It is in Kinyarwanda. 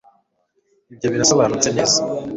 ibyo birasobanutse neza